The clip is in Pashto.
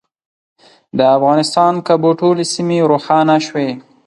د افغانستان کابو ټولې سیمې روښانه شوې.